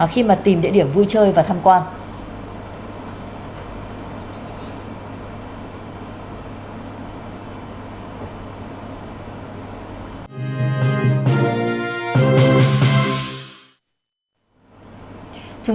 khi mà tìm địa điểm vui chơi và tham quan